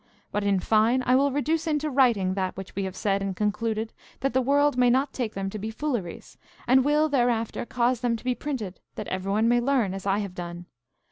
But, in fine, I will reduce into writing that which we have said and concluded, that the world may not take them to be fooleries, and will thereafter cause them to be printed, that everyone may learn as I have done.